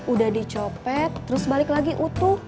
udah dicopet terus balik lagi utuh